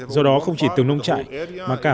do đó không chỉ từ nông trại mà cả